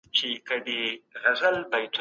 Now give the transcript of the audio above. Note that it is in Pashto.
تحلیل کول ذهن خلاصوي.